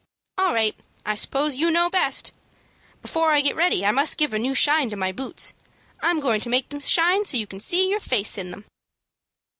"All right. I suppose you know best. Before I get ready I must give a new shine to my boots. I'm going to make them shine so you can see your face in them."